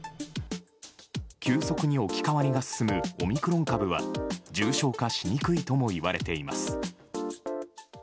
急速に置き換わりが進むオミクロン株は重症化しにくいともいわれています。